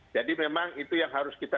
jadi memang itu yang harus kita